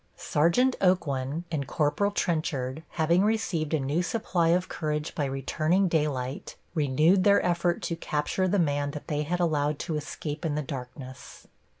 Sergeant Aucoin and Corporal Trenchard, having received a new supply of courage by returning daylight, renewed their effort to capture the man that they had allowed to escape in the darkness.